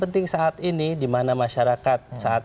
penting saat ini dimana masyarakat saat